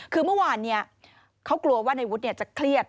คือเมื่อวานเขากลัวว่าในวุฒิจะเครียด